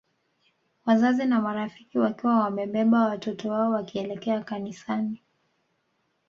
Wazazi na marafiki wakiwa wamewabeba watoto wao wakielekea Kanisani